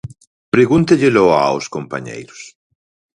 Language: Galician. Pregúntellelo aos compañeiros.